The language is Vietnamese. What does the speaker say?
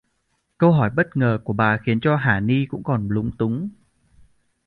Câu hỏi bất ngờ của bà khiến cho hả ni cũng còn lúng túng